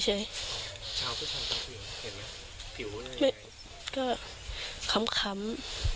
เฉยเห็นไหมผิวอะไรก็ค้ำ